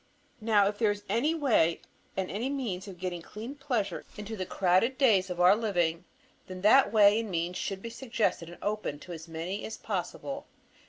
Now if there is any way and any means of getting clean pleasure into the crowded days of our living, then that way and means should be suggested and opened to as many as possible.